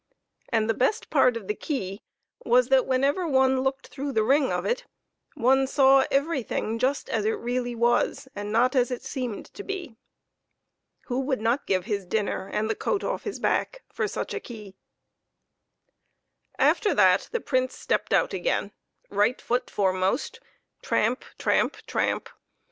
And the best part of the key was, that whenever one look ed through the ring of it, one saw everything just as it really was and not as it seemed to be. Who would not give his dinner and the coat off his back for such a key? After that the Prince stepped out again, right foot foremost, tramp! tramp ! tramp